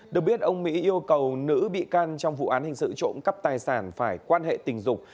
được biết ông mỹ yêu cầu nữ bị can trong vụ án hình sự trộm cắp tài sản phải quan hệ tình dục